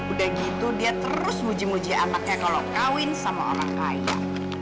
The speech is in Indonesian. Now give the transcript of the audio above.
udah gitu dia terus muji muji anaknya kalau kawin sama orang kaya